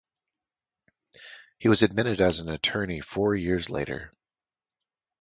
He was admitted as an attorney four years later.